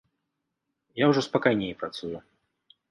Я ўжо спакайней працую.